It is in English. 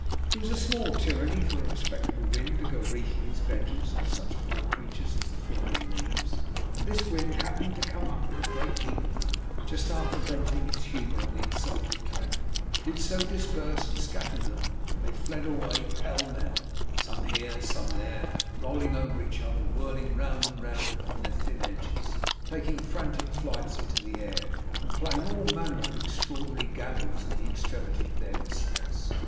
It was small tyranny for a respectable wind to go wreaking its vengeance on such poor creatures as the fallen leaves, but this wind happening to come up with a great heap of them just after venting its humour on the insulted Dragon, did so disperse and scatter them that they fled away, pell mell, some here, some there, rolling over each other, whirling round and round upon their thin edges, taking frantic flights into the air, and playing all manner of extraordinary gambols in the extremity of their distress.